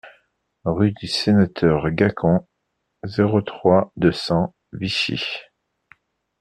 Rue du Sénateur Gacon, zéro trois, deux cents Vichy